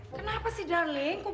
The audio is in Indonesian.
kenapa sih darling